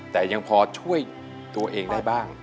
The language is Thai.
แต่ยังพอช่วยตัวเองได้บ้าง